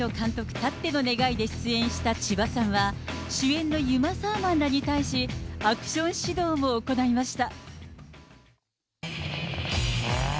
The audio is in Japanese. たっての願いで出演した千葉さんは、主演のユマ・サーマンらに対し、アクション指導も行いました。